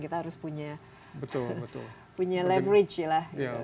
kita harus punya leverage lah